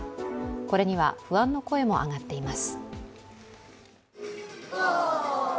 これには不安の声も上がっています。